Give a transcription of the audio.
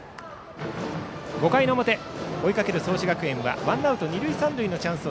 ５回表、追いかける創志学園はワンアウト、二塁三塁のチャンス